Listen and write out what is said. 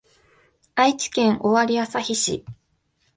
愛知県尾張旭市